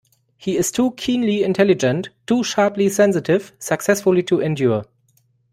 He is too keenly intelligent, too sharply sensitive, successfully to endure.